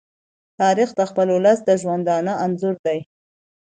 تاریخ د خپل ولس د ژوندانه انځور دی.